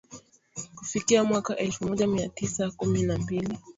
Kufikia mwaka elfu moja mia tisa kumi na mbili